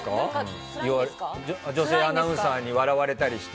女性アナウンサーに笑われたりして？